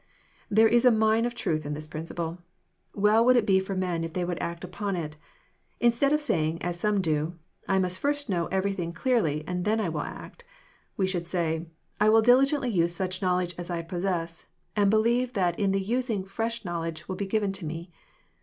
There is a mine of truth in this principle. Well would it be for men if they would act upon it. Instead of spying, as some do, —" I must first know everything clearly, and then I will act," — we should say, —" I will diligently use such knowledge as I possess, and believe that in the using fresh knowledge will ^ given to me."